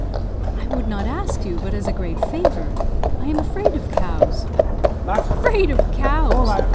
"I would not ask you but as a great favour; I am afraid of cows." "Afraid of cows!